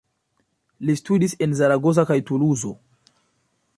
Li studis en Zaragoza kaj Tuluzo.